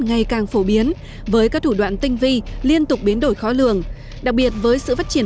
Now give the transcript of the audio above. ngày càng phổ biến với các thủ đoạn tinh vi liên tục biến đổi khó lường đặc biệt với sự phát triển